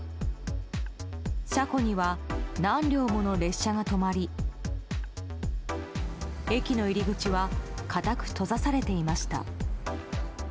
車庫には何両もの列車が止まり駅の入り口は固く閉ざされていました。